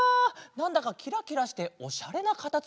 なんだかキラキラしておしゃれなかたつむりだね！